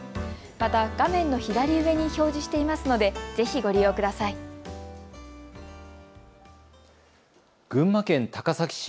また画面の左上に表示していますので、ぜひご利用ください。